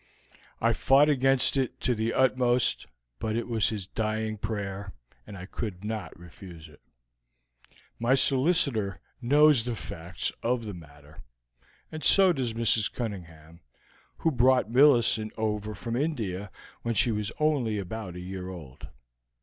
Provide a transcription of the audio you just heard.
I fought against it to the utmost, but it was his dying prayer, and I could not refuse it. My solicitor knows the facts of the matter, and so does Mrs. Cunningham, who brought Millicent over from India when she was only about a year old.